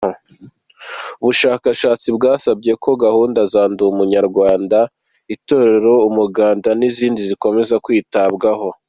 Ubushakashatsi bwasabye ko gahunda za Ndi Umunyarwanda, Itorero, Umuganda n’izindi zikomeza kwitabwaho.